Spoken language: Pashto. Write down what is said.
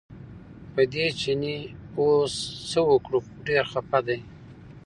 په دې چیني اوس څه وکړو ډېر خپه دی.